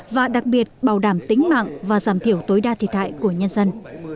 và đặc biệt bảo đảm tính mạng và giảm thiểu tối đa thiệt hại của nhân dân